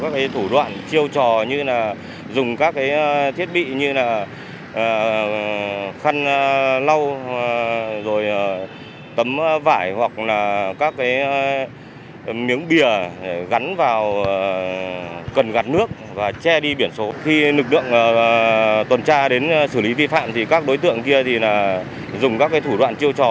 khi lực lượng tuần tra đến xử lý vi phạm thì các đối tượng kia dùng các thủ đoạn chiêu trò